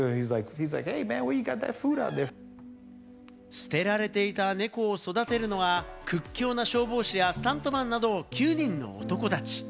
捨てられていた猫を育てるのは屈強な消防士やスタントマンなど９人の男たち。